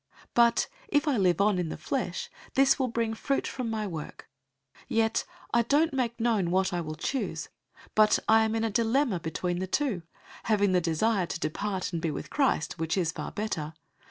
001:022 But if I live on in the flesh, this will bring fruit from my work; yet I don't make known what I will choose. 001:023 But I am in a dilemma between the two, having the desire to depart and be with Christ, which is far better.